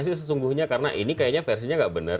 ini versinya sesungguhnya karena ini kayaknya versinya nggak benar